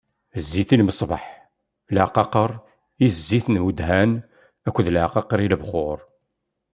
Zzit i lmeṣbaḥ, leɛqaqer i zzit n wedhan akked leɛqaqer i lebxuṛ.